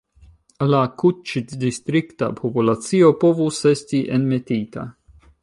La kutĉ-distrikta populacio povus esti enmetita.